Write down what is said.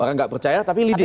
karena gak percaya tapi leading